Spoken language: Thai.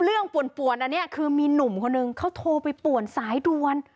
เรื่องปว่นอันนี้คือมีหนุ่มคนหนึ่งเขาโทรไปปว่นสายดวน